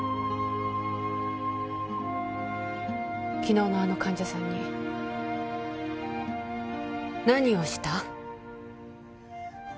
昨日のあの患者さんに何をした？